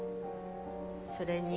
それに。